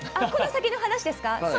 この先の話ですか？